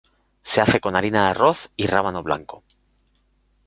Se hace con harina de arroz y rábano blanco.